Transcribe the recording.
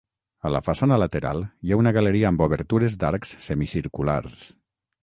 A la façana lateral hi ha una galeria amb obertures d'arcs semicirculars.